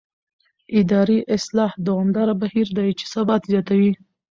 اداري اصلاح دوامداره بهیر دی چې ثبات زیاتوي